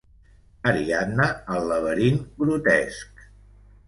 Ariadna al laberint grotesc.